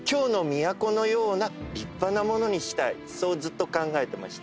そうずっと考えてました。